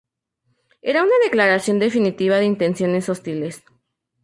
Era una declaración definitiva de intenciones hostiles.